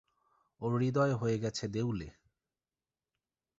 ওর হৃদয় হয়ে গেছে দেউলে।